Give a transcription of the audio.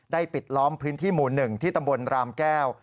ปิดล้อมพื้นที่หมู่๑ที่ตำบลรามแก้ว